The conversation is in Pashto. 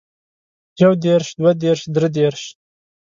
يو دېرش دوه دېرش درې دېرش